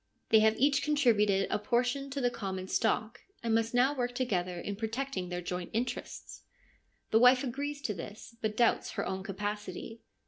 They have each contributed a portion to the common stock, and must now work together in protecting their joint interests. The wife agrees to this, but doubts her own capacity.